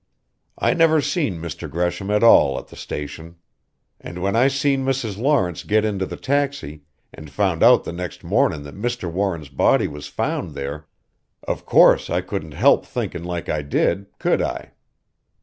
"I never seen Mr. Gresham at all at the station. And when I seen Mrs. Lawrence get into the taxi and found out the next morning that Mr. Warren's body was found there of course I couldn't help thinkin' like I did, could I?"